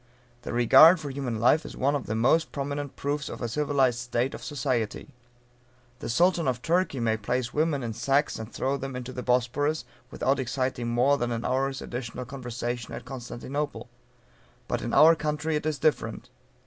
The regard for human life is one of the most prominent proofs of a civilized state of society. The Sultan of Turkey may place women in sacks and throw them into the Bosphorus, without exciting more than an hour's additional conversation at Constantinople. But in our country it is different.